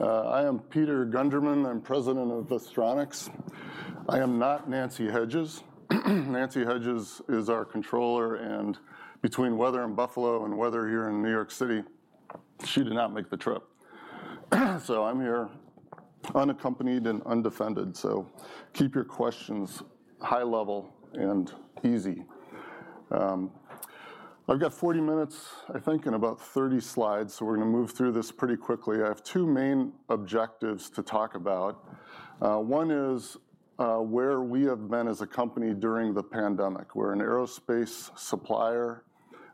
I am Peter Gundermann. I'm president of Astronics. I am not Nancy Hedges. Nancy Hedges is our controller, and between weather in Buffalo and weather here in New York City, she did not make the trip. So I'm here unaccompanied and undefended, so keep your questions high level and easy. I've got 40 minutes, I think, and about 30 slides, so we're gonna move through this pretty quickly. I have two main objectives to talk about. One is where we have been as a company during the pandemic. We're an aerospace supplier.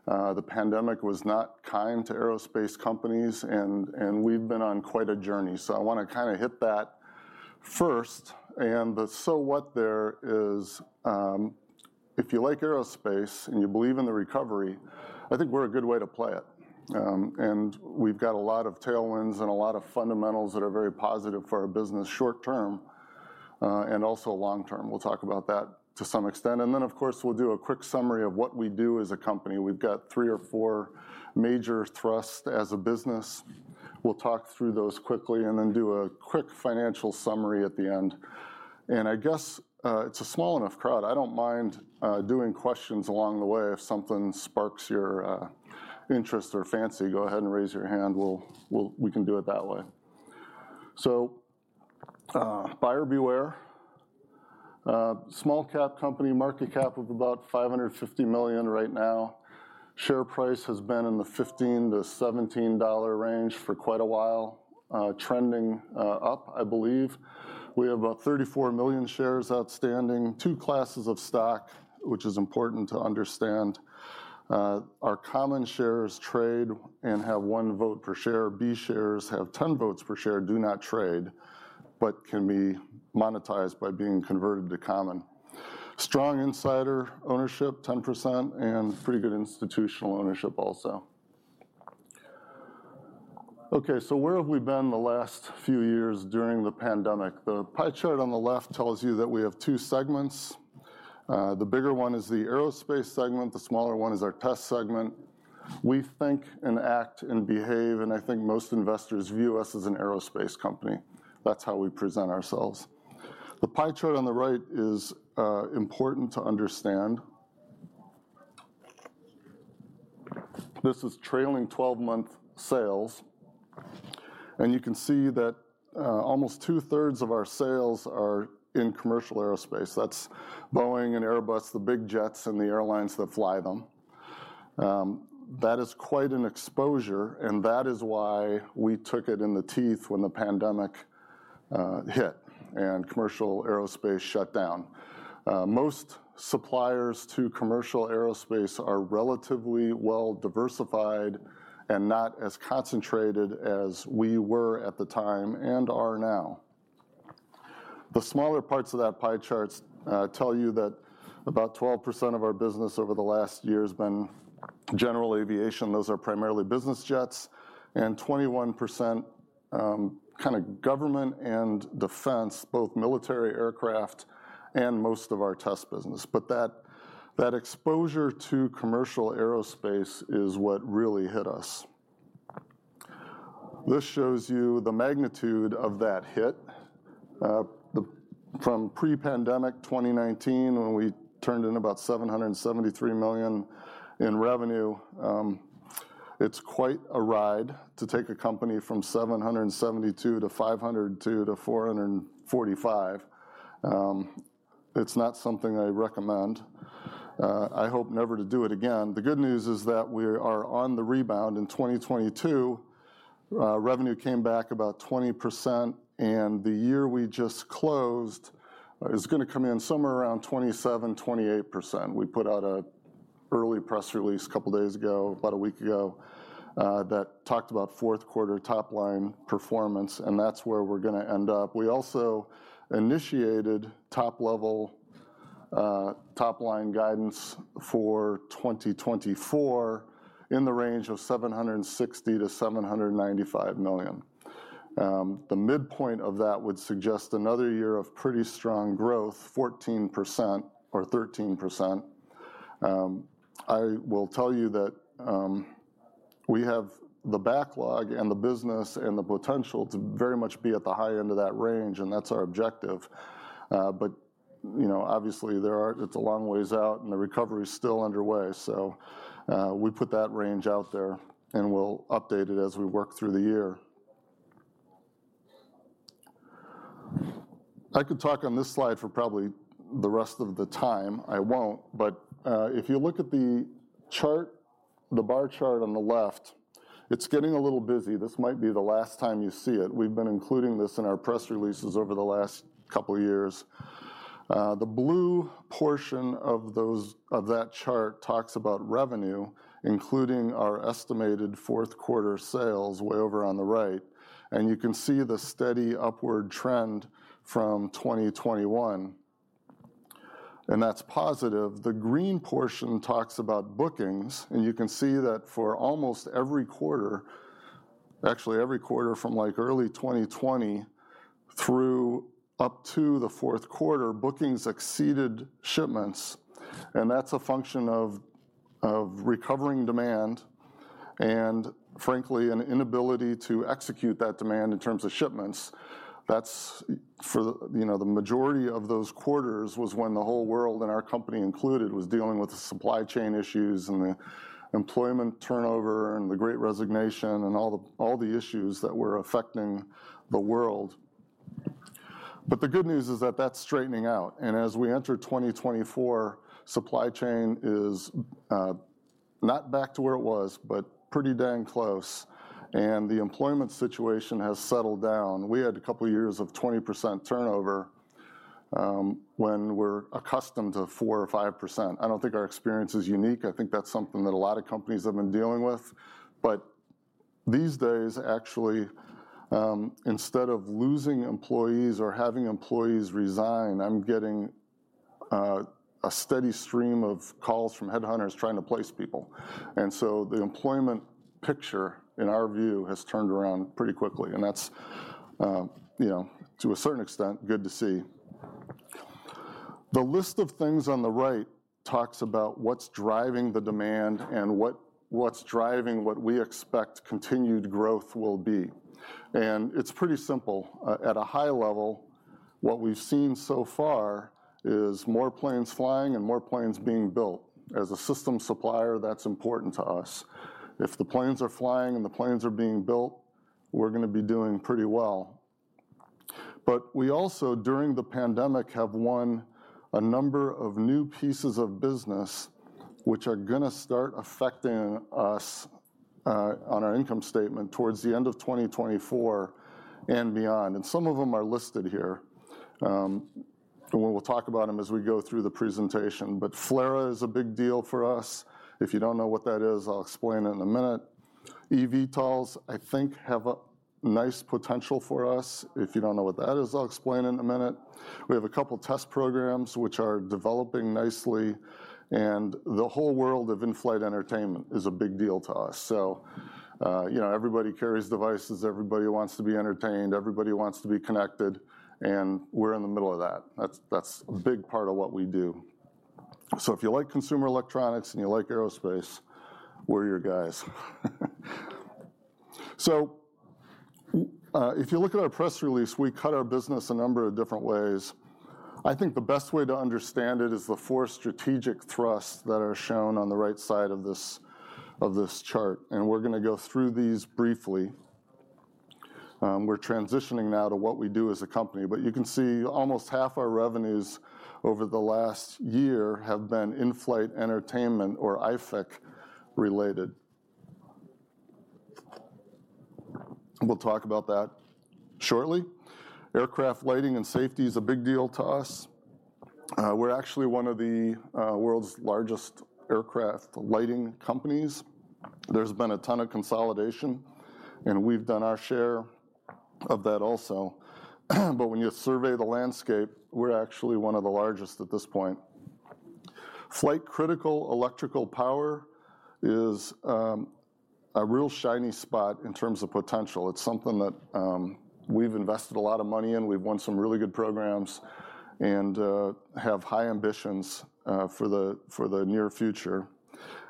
The pandemic was not kind to aerospace companies, and we've been on quite a journey, so I wanna kinda hit that first. The "so what" there is, if you like aerospace, and you believe in the recovery, I think we're a good way to play it. We've got a lot of tailwinds and a lot of fundamentals that are very positive for our business short term, and also long term. We'll talk about that to some extent, and then, of course, we'll do a quick summary of what we do as a company. We've got three or four major thrusts as a business. We'll talk through those quickly and then do a quick financial summary at the end. And I guess, it's a small enough crowd. I don't mind, doing questions along the way if something sparks your, interest or fancy. Go ahead and raise your hand. We can do it that way. So, buyer beware, small cap company, market cap of about $550 million right now. Share price has been in the $15-$17 range for quite a while, trending up, I believe. We have about 34 million shares outstanding, two classes of stock, which is important to understand. Our common shares trade and have one vote per share. B shares have 10 votes per share, do not trade, but can be monetized by being converted to common. Strong insider ownership, 10%, and pretty good institutional ownership also. Okay, so where have we been the last few years during the pandemic? The pie chart on the left tells you that we have two segments. The bigger one is the aerospace segment. The smaller one is our test segment. We think, and act, and behave, and I think most investors view us as an aerospace company. That's how we present ourselves. The pie chart on the right is important to understand. This is trailing 12-month sales, and you can see that almost two-thirds of our sales are in commercial aerospace. That's Boeing and Airbus, the big jets and the airlines that fly them. That is quite an exposure, and that is why we took it in the teeth when the pandemic hit and commercial aerospace shut down. Most suppliers to commercial aerospace are relatively well-diversified and not as concentrated as we were at the time, and are now. The smaller parts of that pie chart tell you that about 12% of our business over the last year has been general aviation, those are primarily business jets, and 21%, kinda government and defense, both military aircraft and most of our test business. But that exposure to commercial aerospace is what really hit us. This shows you the magnitude of that hit. From pre-pandemic 2019, when we turned in about $773 million in revenue, it's quite a ride to take a company from $772 to $502 to $445. It's not something I recommend. I hope never to do it again. The good news is that we are on the rebound. In 2022, revenue came back about 20%, and the year we just closed is gonna come in somewhere around 27%-28%. We put out an early press release a couple days ago, about a week ago, that talked about fourth quarter top-line performance, and that's where we're gonna end up. We also initiated top-level, top-line guidance for 2024 in the range of $760 million-$795 million. The midpoint of that would suggest another year of pretty strong growth, 14% or 13%. I will tell you that, we have the backlog, and the business, and the potential to very much be at the high end of that range, and that's our objective. But, you know, obviously there are-- it's a long ways out, and the recovery is still underway. So, we put that range out there, and we'll update it as we work through the year. I could talk on this slide for probably the rest of the time. I won't, but, if you look at the chart, the bar chart on the left, it's getting a little busy. This might be the last time you see it. We've been including this in our press releases over the last couple of years. The blue portion of that chart talks about revenue, including our estimated fourth quarter sales, way over on the right, and you can see the steady upward trend from 2021, and that's positive. The green portion talks about bookings, and you can see that for almost every quarter, actually, every quarter from, like, early 2020 through up to the fourth quarter, bookings exceeded shipments, and that's a function of recovering demand and frankly, an inability to execute that demand in terms of shipments. That's for the, you know, the majority of those quarters was when the whole world, and our company included, was dealing with the supply chain issues and the employment turnover and the great resignation and all the, all the issues that were affecting the world. But the good news is that that's straightening out, and as we enter 2024, supply chain is not back to where it was, but pretty dang close, and the employment situation has settled down. We had a couple of years of 20% turnover, when we're accustomed to 4% or 5%. I don't think our experience is unique. I think that's something that a lot of companies have been dealing with. But these days, actually, instead of losing employees or having employees resign, I'm getting a steady stream of calls from headhunters trying to place people. So the employment picture, in our view, has turned around pretty quickly, and that's, you know, to a certain extent, good to see. The list of things on the right talks about what's driving the demand and what, what's driving what we expect continued growth will be, and it's pretty simple. At a high level, what we've seen so far is more planes flying and more planes being built. As a system supplier, that's important to us. If the planes are flying and the planes are being built, we're gonna be doing pretty well. But we also, during the pandemic, have won a number of new pieces of business, which are gonna start affecting us, on our income statement towards the end of 2024 and beyond, and some of them are listed here. We'll talk about them as we go through the presentation. But FLRAA is a big deal for us. If you don't know what that is, I'll explain it in a minute. eVTOLs, I think, have a nice potential for us. If you don't know what that is, I'll explain in a minute. We have a couple test programs which are developing nicely, and the whole world of in-flight entertainment is a big deal to us. So, you know, everybody carries devices, everybody wants to be entertained, everybody wants to be connected, and we're in the middle of that. That's, that's a big part of what we do. So if you like consumer electronics, and you like aerospace, we're your guys. So, if you look at our press release, we cut our business a number of different ways. I think the best way to understand it is the four strategic thrusts that are shown on the right side of this chart, and we're gonna go through these briefly. We're transitioning now to what we do as a company, but you can see almost half our revenues over the last year have been in-flight entertainment or IFEC-related. We'll talk about that shortly. Aircraft lighting and safety is a big deal to us. We're actually one of the world's largest aircraft lighting companies. There's been a ton of consolidation, and we've done our share of that also. But when you survey the landscape, we're actually one of the largest at this point. Flight-critical electrical power is a real shiny spot in terms of potential. It's something that we've invested a lot of money in, we've won some really good programs, and have high ambitions for the near future.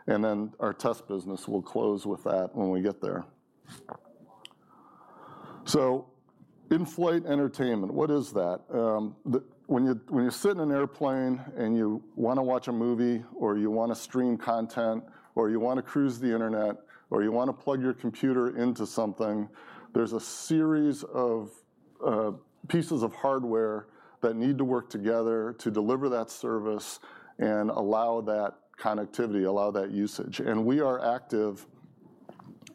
And then our test business, we'll close with that when we get there. So in-flight entertainment, what is that? When you sit in an airplane and you wanna watch a movie, or you wanna stream content, or you wanna cruise the internet, or you wanna plug your computer into something, there's a series of pieces of hardware that need to work together to deliver that service and allow that connectivity, allow that usage. And we are active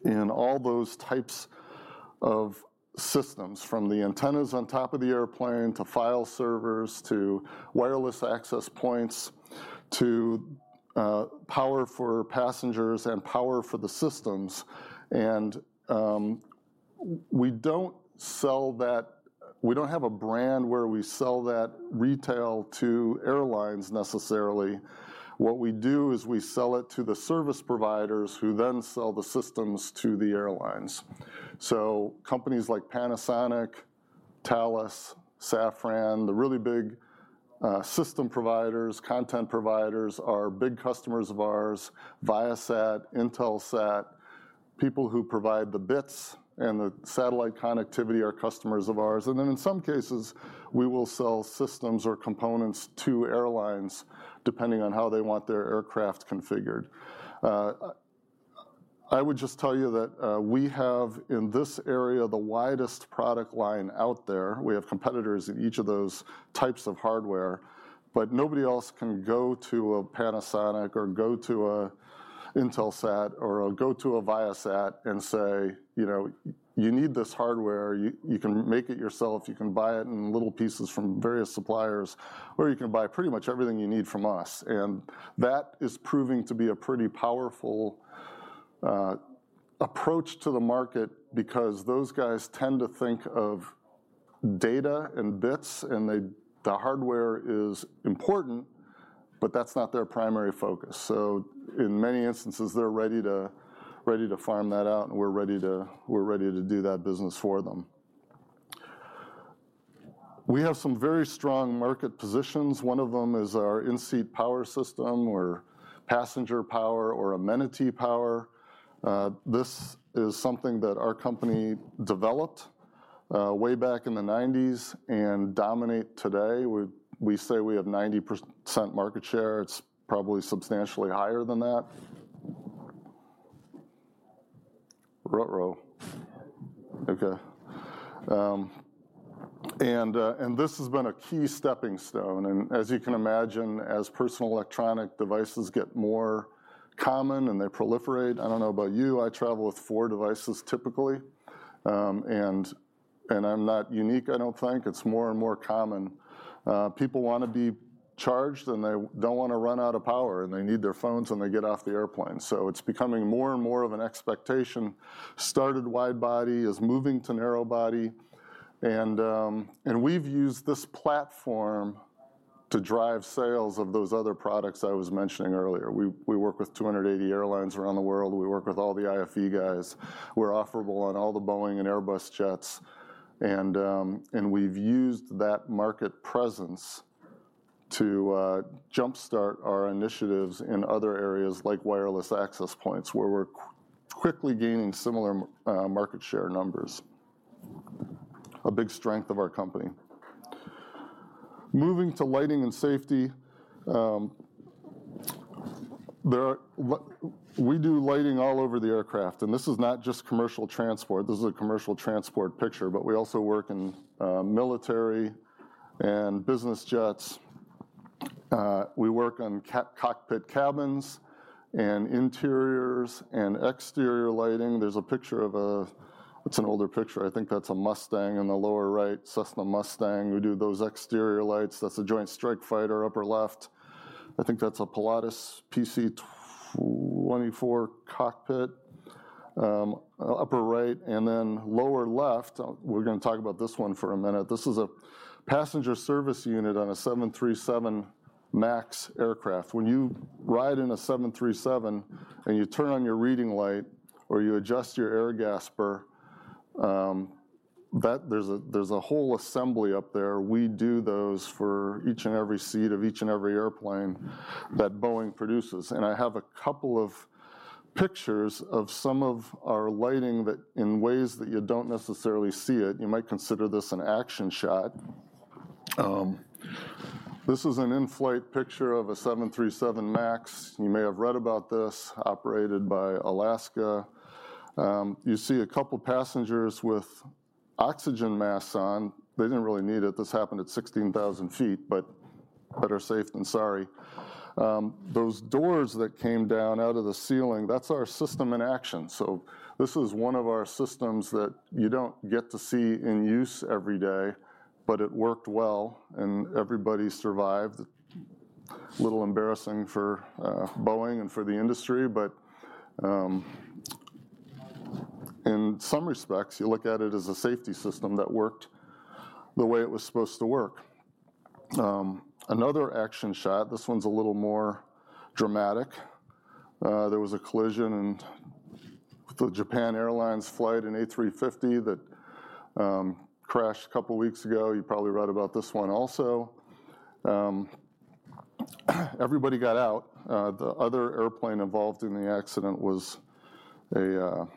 in all those types of systems, from the antennas on top of the airplane, to file servers, to wireless access points, to power for passengers and power for the systems. We don't sell that. We don't have a brand where we sell that retail to airlines necessarily. What we do is we sell it to the service providers, who then sell the systems to the airlines. So companies like Panasonic, Thales, Safran, the really big system providers, content providers, are big customers of ours. Viasat, Intelsat, people who provide the bits and the satellite connectivity are customers of ours, and then in some cases, we will sell systems or components to airlines, depending on how they want their aircraft configured. I would just tell you that we have, in this area, the widest product line out there. We have competitors in each of those types of hardware, but nobody else can go to a Panasonic or go to an Intelsat or go to a Viasat and say, "You know, you need this hardware. You can make it yourself, you can buy it in little pieces from various suppliers, or you can buy pretty much everything you need from us." That is proving to be a pretty powerful approach to the market because those guys tend to think of data and bits, and they, the hardware is important, but that's not their primary focus. So in many instances, they're ready to farm that out, and we're ready to do that business for them. We have some very strong market positions. One of them is our in-seat power system or passenger power or amenity power. This is something that our company developed way back in the '90s and dominate today. We say we have 90% market share. It's probably substantially higher than that. Ruh-roh! Okay. This has been a key stepping stone, and as you can imagine, as personal electronic devices get more common, and they proliferate... I don't know about you, I travel with four devices typically, and I'm not unique, I don't think. It's more and more common. People wanna be charged, and they don't wanna run out of power, and they need their phones when they get off the airplane, so it's becoming more and more of an expectation. Started wide body, is moving to narrow body, and we've used this platform to drive sales of those other products I was mentioning earlier. We work with 280 airlines around the world. We work with all the IFE guys. We're offerable on all the Boeing and Airbus jets, and we've used that market presence to jumpstart our initiatives in other areas, like wireless access points, where we're quickly gaining similar market share numbers, a big strength of our company. Moving to lighting and safety, we do lighting all over the aircraft, and this is not just commercial transport. This is a commercial transport picture, but we also work in military and business jets. We work on cockpit, cabins and interiors and exterior lighting. There's a picture. It's an older picture. I think that's a Mustang in the lower right, Cessna Mustang. We do those exterior lights. That's a Joint Strike Fighter, upper left. I think that's a Pilatus PC-24 cockpit, upper right, and then lower left... We're gonna talk about this one for a minute. This is a passenger service unit on a 737 MAX aircraft. When you ride in a 737, and you turn on your reading light, or you adjust your air gasper, that there's a whole assembly up there. We do those for each and every seat of each and every airplane that Boeing produces, and I have a couple of pictures of some of our lighting that, in ways that you don't necessarily see it. You might consider this an action shot. This is an in-flight picture of a 737 MAX, you may have read about this, operated by Alaska. You see a couple passengers with oxygen masks on. They didn't really need it. This happened at 16,000 feet, but better safe than sorry. Those doors that came down out of the ceiling, that's our system in action, so this is one of our systems that you don't get to see in use every day, but it worked well, and everybody survived. A little embarrassing for Boeing and for the industry, but in some respects, you look at it as a safety system that worked the way it was supposed to work. Another action shot, this one's a little more dramatic. There was a collision with the Japan Airlines flight, an A350, that crashed a couple weeks ago. You probably read about this one also. Everybody got out. The other airplane involved in the accident was a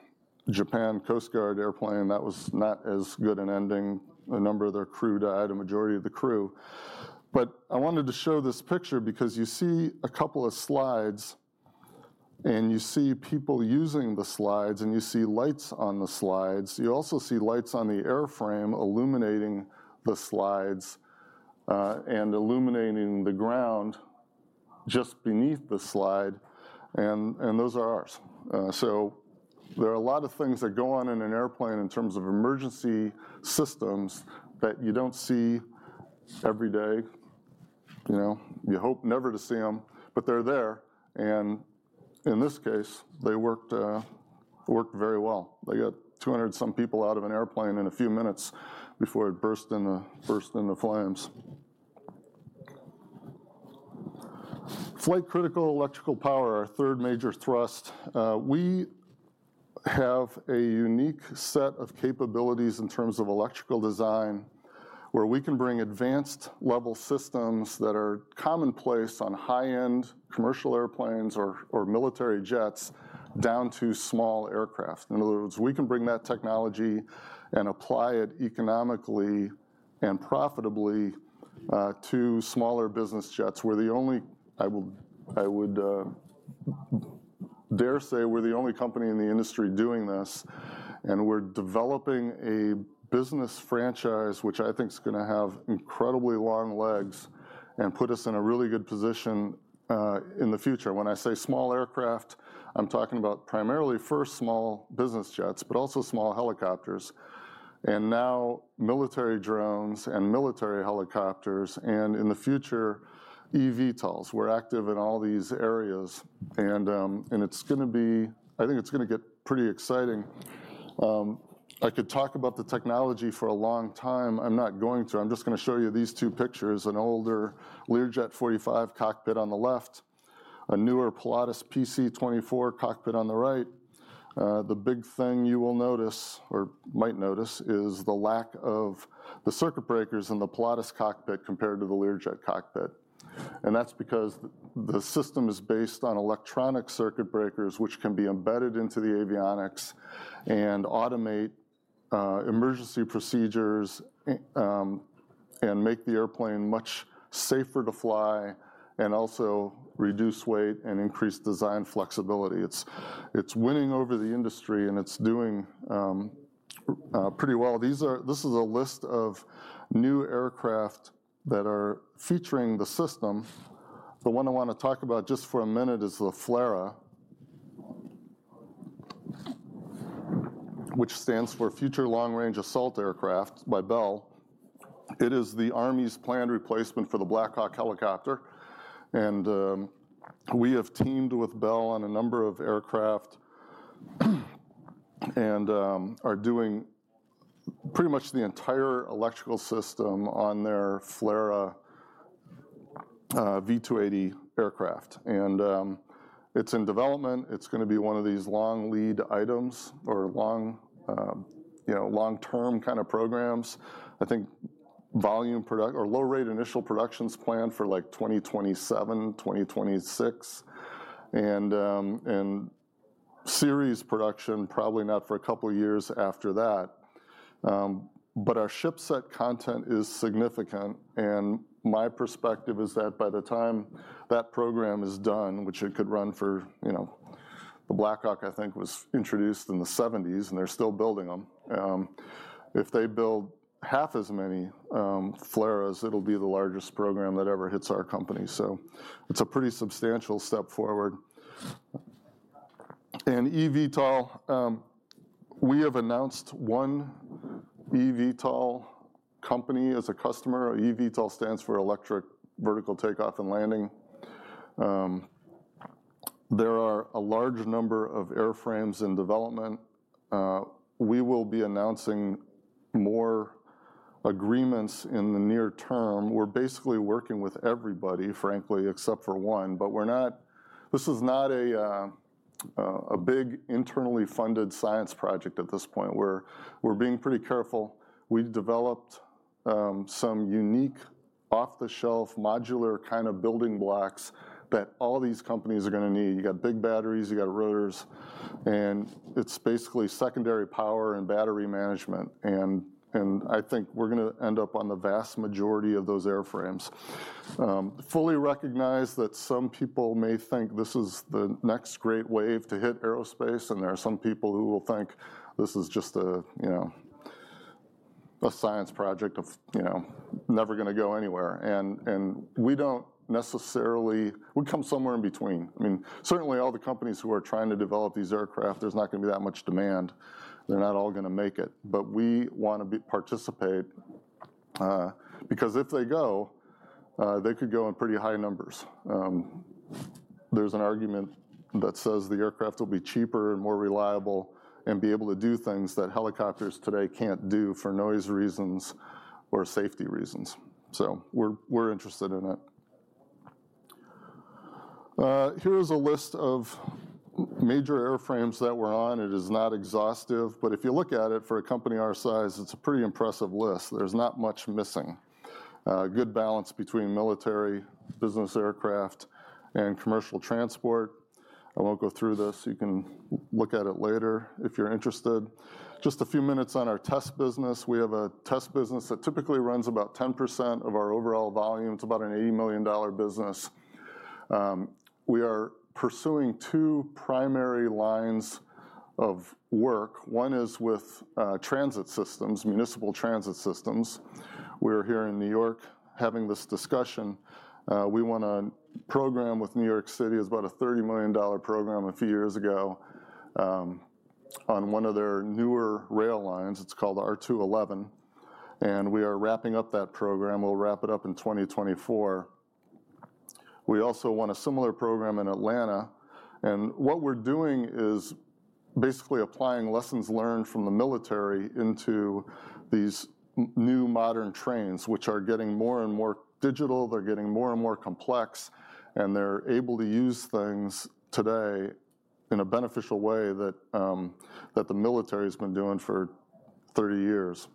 Japan Coast Guard airplane. That was not as good an ending. A number of their crew died, a majority of the crew. But I wanted to show this picture because you see a couple of slides, and you see people using the slides, and you see lights on the slides. You also see lights on the airframe, illuminating the slides, and illuminating the ground just beneath the slide, and those are ours. So there are a lot of things that go on in an airplane in terms of emergency systems that you don't see every day. You know, you hope never to see them, but they're there, and in this case, they worked very well. They got 200-some people out of an airplane in a few minutes before it burst into flames. Flight-critical electrical power, our third major thrust. We have a unique set of capabilities in terms of electrical design, where we can bring advanced level systems that are commonplace on high-end commercial airplanes or military jets down to small aircraft. In other words, we can bring that technology and apply it economically and profitably to smaller business jets. We're the only company in the industry doing this, I would dare say, and we're developing a business franchise which I think is gonna have incredibly long legs and put us in a really good position in the future. When I say small aircraft, I'm talking about primarily first small business jets, but also small helicopters and now military drones and military helicopters, and in the future, eVTOLs. We're active in all these areas, and it's gonna be. I think it's gonna get pretty exciting. I could talk about the technology for a long time. I'm not going to. I'm just gonna show you these two pictures, an older Learjet 45 cockpit on the left, a newer Pilatus PC-24 cockpit on the right. The big thing you will notice or might notice is the lack of the circuit breakers in the Pilatus cockpit compared to the Learjet cockpit, and that's because the system is based on electronic circuit breakers, which can be embedded into the avionics and automate emergency procedures, and make the airplane much safer to fly, and also reduce weight and increase design flexibility. It's winning over the industry, and it's doing pretty well. This is a list of new aircraft that are featuring the system. The one I wanna talk about just for a minute is the FLRAA, which stands for Future Long-Range Assault Aircraft by Bell. It is the army's planned replacement for the Black Hawk helicopter, and we have teamed with Bell on a number of aircraft, and are doing pretty much the entire electrical system on their FLRAA, V-280 aircraft. It's in development. It's gonna be one of these long lead items or long, you know, long-term kind of programs. I think volume product or low-rate initial productions plan for, like, 2027, 2026, and series production, probably not for a couple of years after that. But our ship set content is significant, and my perspective is that by the time that program is done, which it could run for, you know... The Black Hawk, I think, was introduced in the 1970s, and they're still building them. If they build half as many FLRAAs, it'll be the largest program that ever hits our company. So it's a pretty substantial step forward. And eVTOL, we have announced one eVTOL company as a customer. eVTOL stands for Electric Vertical Takeoff and Landing. There are a large number of airframes in development. We will be announcing more agreements in the near term. We're basically working with everybody, frankly, except for one, but we're not. This is not a big internally funded science project at this point, where we're being pretty careful. We've developed some unique, off-the-shelf, modular kind of building blocks that all these companies are gonna need. You got big batteries, you got rotors, and it's basically secondary power and battery management, and I think we're gonna end up on the vast majority of those airframes. Fully recognize that some people may think this is the next great wave to hit aerospace, and there are some people who will think this is just a, you know, a science project of, you know, never gonna go anywhere. And we don't necessarily. We come somewhere in between. I mean, certainly all the companies who are trying to develop these aircraft, there's not gonna be that much demand. They're not all gonna make it. But we wanna participate, because if they go, they could go in pretty high numbers. There's an argument that says the aircraft will be cheaper and more reliable and be able to do things that helicopters today can't do for noise reasons or safety reasons. So we're interested in it. Here is a list of major airframes that we're on. It is not exhaustive, but if you look at it, for a company our size, it's a pretty impressive list. There's not much missing. Good balance between military, business aircraft, and commercial transport. I won't go through this. You can look at it later if you're interested. Just a few minutes on our test business. We have a test business that typically runs about 10% of our overall volume. It's about an $80 million business. We are pursuing two primary lines of work. One is with transit systems, municipal transit systems. We're here in New York having this discussion. We won a program with New York City. It was about a $30 million program a few years ago, on one of their newer rail lines. It's called the R-211, and we are wrapping up that program. We'll wrap it up in 2024. We also won a similar program in Atlanta, and what we're doing is basically applying lessons learned from the military into these new modern trains, which are getting more and more digital, they're getting more and more complex, and they're able to use things today in a beneficial way that the military's been doing for 30 years.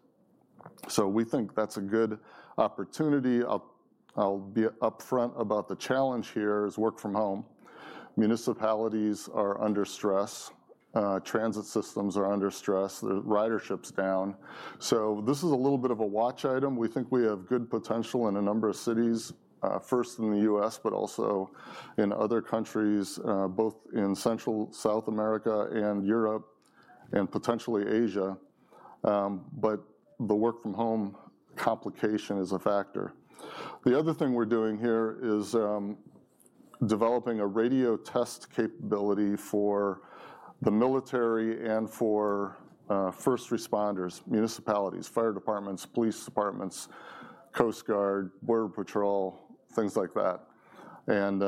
So we think that's a good opportunity. I'll be upfront about the challenge here is work from home. Municipalities are under stress. Transit systems are under stress. The ridership's down. So this is a little bit of a watch item. We think we have good potential in a number of cities, first in the US, but also in other countries, both in Central, South America and Europe, and potentially Asia, but the work from home complication is a factor. The other thing we're doing here is developing a radio test capability for the military and for first responders, municipalities, fire departments, police departments, Coast Guard, Border Patrol, things like that. And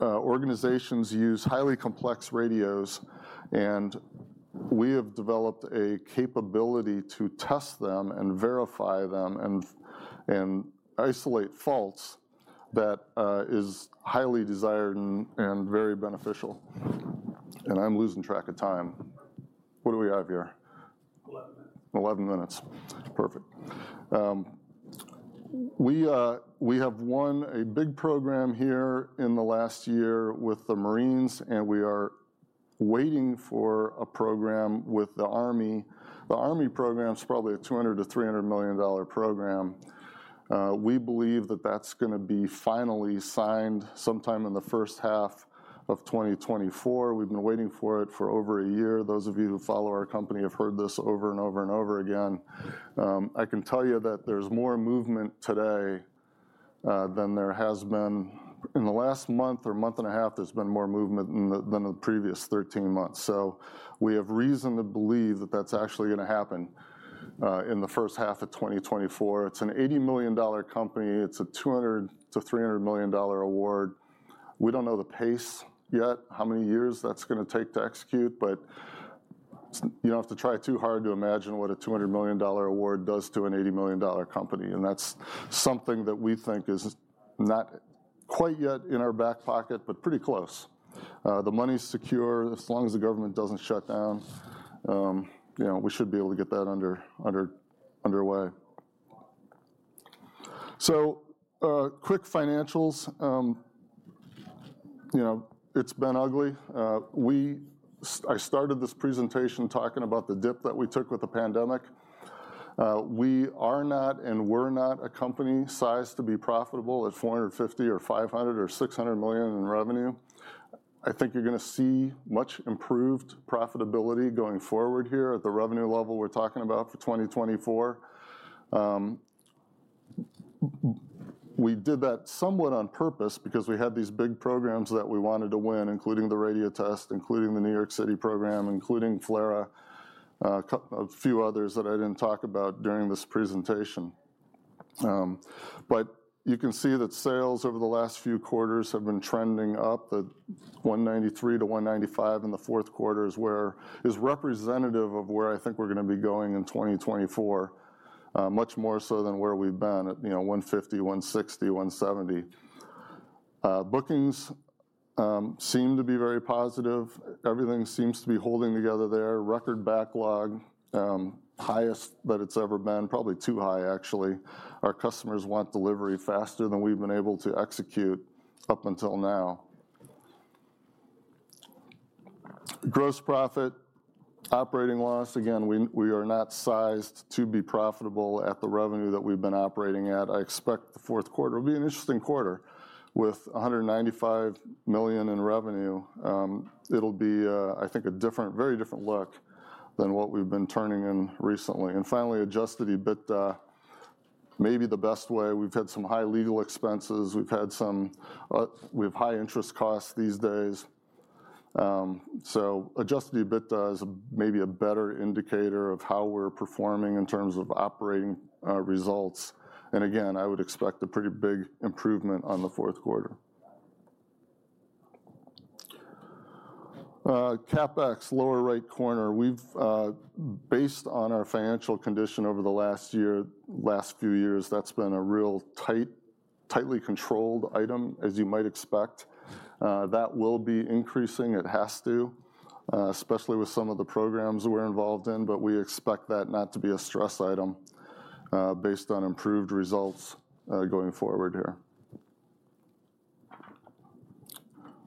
organizations use highly complex radios, and we have developed a capability to test them and verify them and isolate faults that is highly desired and very beneficial. And I'm losing track of time. What do we have here? Eleven minutes. Eleven minutes. Perfect. We, we have won a big program here in the last year with the Marines, and we are waiting for a program with the Army. The Army program's probably a $200 million-$300 million program. We believe that that's gonna be finally signed sometime in the first half of 2024. We've been waiting for it for over a year. Those of you who follow our company have heard this over and over and over again. I can tell you that there's more movement today than there has been in the last month or month and a half. There's been more movement than the previous 13 months. So we have reason to believe that that's actually gonna happen in the first half of 2024. It's an $80 million company. It's a $200-$300 million award. We don't know the pace yet, how many years that's gonna take to execute, but you don't have to try too hard to imagine what a $200 million award does to an $80 million company. And that's something that we think is not quite yet in our back pocket, but pretty close. The money's secure. As long as the government doesn't shut down, you know, we should be able to get that underway. So, quick financials. You know, it's been ugly. I started this presentation talking about the dip that we took with the pandemic. We are not, and were not a company sized to be profitable at $450 or $500 or $600 million in revenue. I think you're gonna see much improved profitability going forward here at the revenue level we're talking about for 2024. We did that somewhat on purpose because we had these big programs that we wanted to win, including the radio test, including the New York City program, including FLRAA, a few others that I didn't talk about during this presentation. But you can see that sales over the last few quarters have been trending up. The $193-$195 in the fourth quarter is representative of where I think we're gonna be going in 2024, much more so than where we've been at, you know, $150, $160, $170. Bookings seem to be very positive. Everything seems to be holding together there. Record backlog, highest that it's ever been, probably too high, actually. Our customers want delivery faster than we've been able to execute up until now. Gross profit, operating loss, again, we are not sized to be profitable at the revenue that we've been operating at. I expect the fourth quarter will be an interesting quarter with $195 million in revenue. It'll be, I think, a different, very different look than what we've been turning in recently. And finally, adjusted EBITDA, maybe the best way. We've had some high legal expenses. We have high interest costs these days. So adjusted EBITDA is maybe a better indicator of how we're performing in terms of operating results. And again, I would expect a pretty big improvement on the fourth quarter. CapEx, lower right corner. We've... Based on our financial condition over the last year, last few years, that's been a real tight, tightly controlled item, as you might expect. That will be increasing. It has to, especially with some of the programs we're involved in, but we expect that not to be a stress item, based on improved results, going forward here.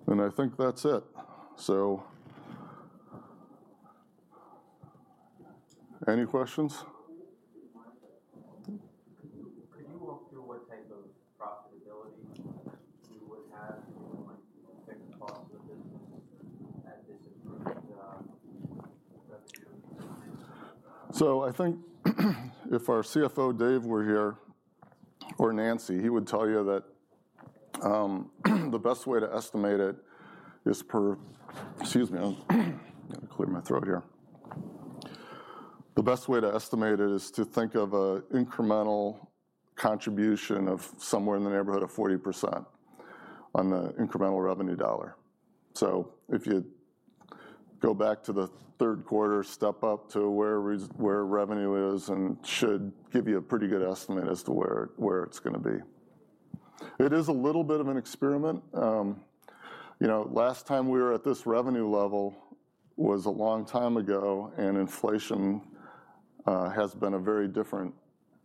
And I think that's it. So, any questions? Could you walk through what type of profitability you would have, like, across the business at this improved revenue? So I think, if our CFO, Dave, were here, or Nancy, he would tell you that, the best way to estimate it is to think of a incremental contribution of somewhere in the neighborhood of 40% on the incremental revenue dollar. So if you go back to the third quarter, step up to where revenue is, and should give you a pretty good estimate as to where it's gonna be. It is a little bit of an experiment. You know, last time we were at this revenue level was a long time ago, and inflation has been a very different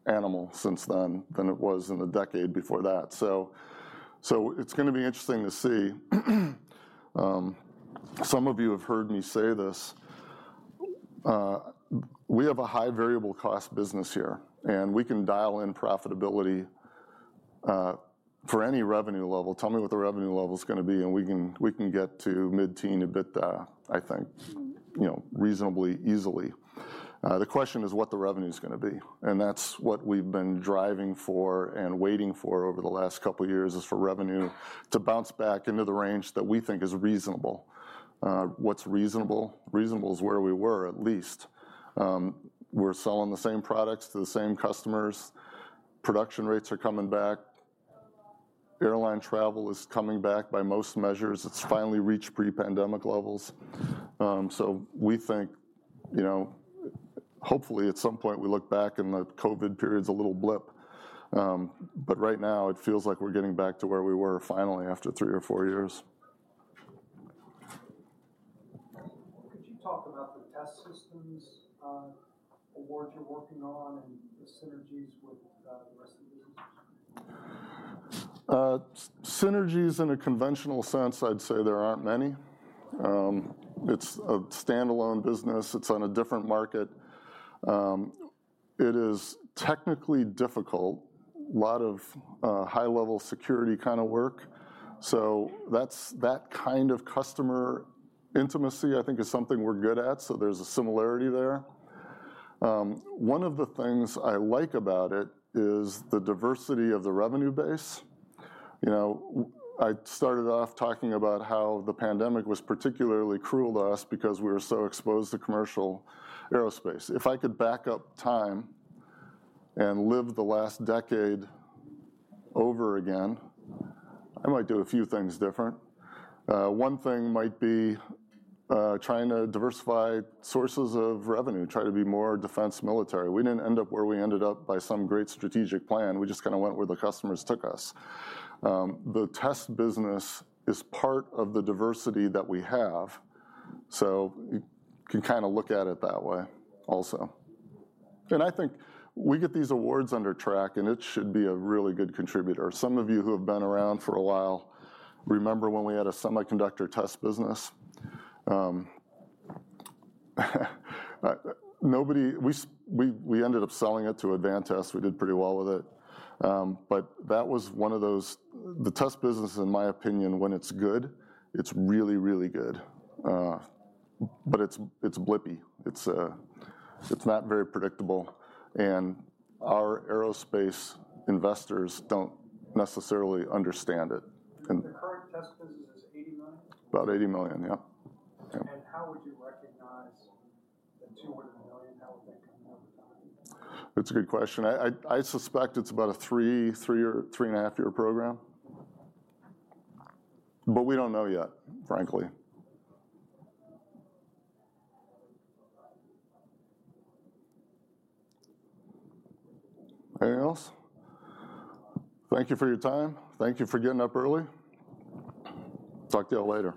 animal since then than it was in the decade before that. So it's gonna be interesting to see. Some of you have heard me say this, we have a high variable cost business here, and we can dial in profitability, for any revenue level. Tell me what the revenue level's gonna be, and we can, we can get to mid-teen EBITDA, I think, you know, reasonably easily. The question is what the revenue's gonna be, and that's what we've been driving for and waiting for over the last couple of years, is for revenue to bounce back into the range that we think is reasonable. What's reasonable? Reasonable is where we were, at least. We're selling the same products to the same customers. Production rates are coming back. Airline travel is coming back by most measures. It's finally reached pre-pandemic levels. So we think, you know, hopefully, at some point, we look back, and the COVID period's a little blip. But right now, it feels like we're getting back to where we were finally after three or four years. Could you talk about the test systems, awards you're working on and the synergies with the rest of the business? Synergies in a conventional sense, I'd say there aren't many. It's a standalone business. It's on a different market. It is technically difficult, a lot of high-level security kinda work, so that's that kind of customer intimacy, I think, is something we're good at, so there's a similarity there. One of the things I like about it is the diversity of the revenue base. You know, I started off talking about how the pandemic was particularly cruel to us because we were so exposed to commercial aerospace. If I could back up time and live the last decade over again, I might do a few things different. One thing might be trying to diversify sources of revenue, try to be more defense military. We didn't end up where we ended up by some great strategic plan. We just kinda went where the customers took us. The test business is part of the diversity that we have, so you can kinda look at it that way also. And I think we get these awards under track, and it should be a really good contributor. Some of you who have been around for a while remember when we had a semiconductor test business. Nobody... We ended up selling it to Advantest. We did pretty well with it. But that was one of those... The test business, in my opinion, when it's good, it's really, really good. But it's blippy. It's not very predictable, and our aerospace investors don't necessarily understand it, and- The current test business is $80 million? About $80 million, yeah. How would you recognize the $200 million? How would that come over time? That's a good question. I suspect it's about a 3, 3 or 3.5-year program. But we don't know yet, frankly. Anything else? Thank you for your time. Thank you for getting up early. Talk to y'all later.